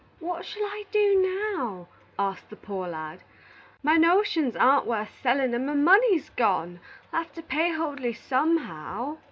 "What shall I do now?" asked the poor lad. "My notions aren't worth selling, and my money's gone. I'll have to pay Hoadley somehow."